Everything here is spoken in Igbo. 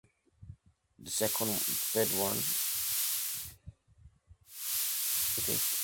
Òkù a bụ nke a kpọrọ site n'ọnụ onyeisi ọba akwụkwọ steeti Anambra